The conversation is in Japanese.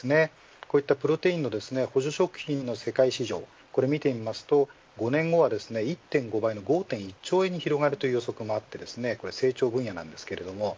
こういったプロテインの補助食品の世界市場これ見てみますと５年後はですね１．５倍の５．１兆円に広がるという予測もあって成長分野なんですけれども。